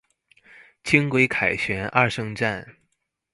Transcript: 輕軌凱旋二聖站